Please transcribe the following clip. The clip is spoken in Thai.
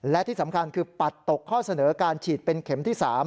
และที่สำคัญคือปัดตกข้อเสนอการฉีดเป็นเข็มที่๓